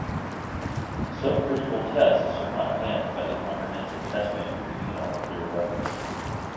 Subcritical tests are not banned by the Comprehensive Test Ban Treaty on nuclear weapons.